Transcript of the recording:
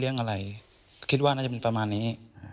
เรื่องอะไรคิดว่าน่าจะเป็นประมาณนี้